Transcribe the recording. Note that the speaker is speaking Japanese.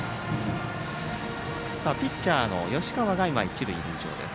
ピッチャーの吉川が一塁の塁上です。